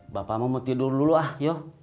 bapak mau tidur dulu ah yo